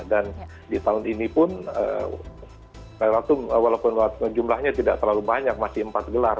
dan di tahun ini pun walaupun jumlahnya tidak terlalu banyak masih empat gelar